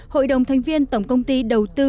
hội đồng thành viên tổng công ty đầu tư